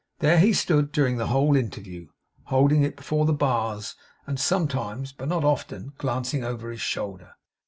There he stood, during the whole interview, holding it before the bars, and sometimes, but not often, glancing over his shoulder.